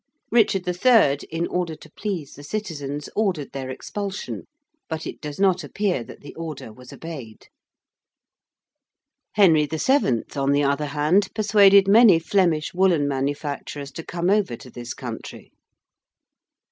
Richard III., in order to please the citizens, ordered their expulsion, but it does not appear that the order was obeyed. Henry VII., on the other hand, persuaded many Flemish woollen manufacturers to come over to this country.